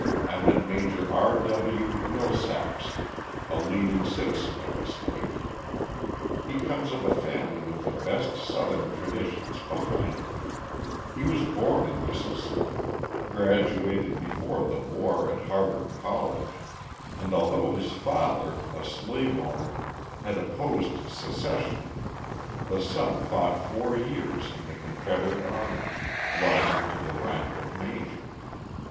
I met Major R. W. Millsaps, a leading citizen of the state. He comes of a family with the best Southern traditions behind it; he was born in Mississippi, graduated before the war at Harvard College, and although his father, a slave owner, had opposed secession, the son fought four years in the Confederate army, rising to the rank of Major.